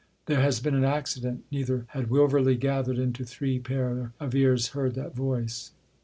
"There has been an accident." Neither had Wilverley, gathered into three pair of ears, heard that voice.